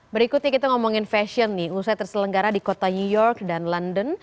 berikutnya kita ngomongin fashion nih usai terselenggara di kota new york dan london